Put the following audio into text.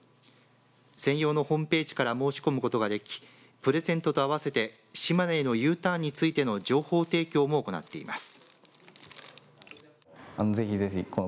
専用のホームページから申し込むことができプレゼントと合わせて島根へのＵターンについての情報提供も行っています。